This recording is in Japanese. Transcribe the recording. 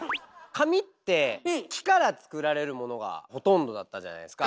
紙って木から作られるものがほとんどだったじゃないですか。